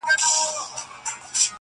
• لکه څپو بې لاري کړې بېړۍ -